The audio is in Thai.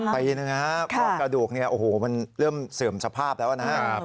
ปีหนึ่งครับเพราะว่ากระดูกมันเริ่มเสื่อมสภาพแล้วนะครับ